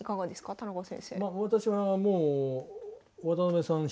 田中先生。